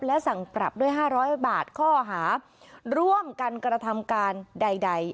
และสั่งปรับด้วย๕๐๐บาทข้อหาร่วมกันกระทำการใด